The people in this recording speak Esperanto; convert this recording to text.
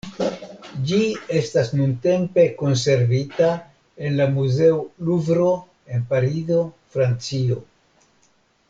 Ĝi estas nuntempe konservita en la Muzeo Luvro en Parizo, Francio.